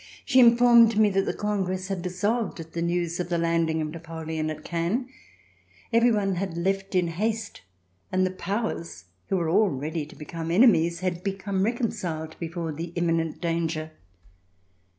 She informed me that the Congress had dissolved at the news of the landing of Nap oleon at Cannes. Every one had left in haste and the Powers who were all ready to become enemies had become reconciled before the imminent danger.